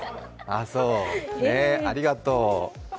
ありがとう。